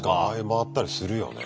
回ったりするよね。